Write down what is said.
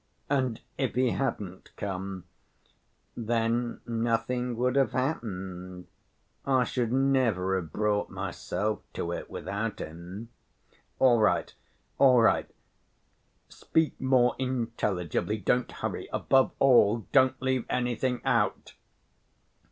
"And if he hadn't come?" "Then nothing would have happened. I should never have brought myself to it without him." "All right, all right ... speak more intelligibly, don't hurry; above all, don't leave anything out!"